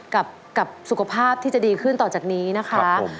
กับสุขภาพที่จะดีขึ้นต่อจากนี้นะคะ